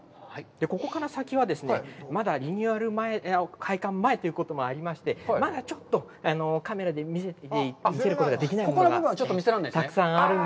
ここから先はですね、まだリニューアル開館前ということもありまして、まだちょっとカメラで見せることができないものがたくさんあるんです。